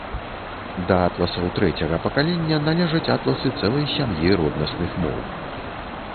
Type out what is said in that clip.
Да атласаў трэцяга пакалення належаць атласы цэлай сям'і роднасных моў.